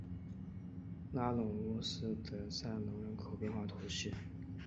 拉庞乌斯德塞尔农人口变化图示